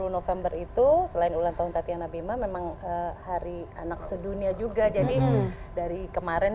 november itu selain ulang tahun tatiana bima memang hari anak sedunia juga jadi dari kemarin